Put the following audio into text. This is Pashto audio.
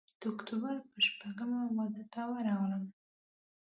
د اکتوبر پر شپږمه واده ته ورغلم.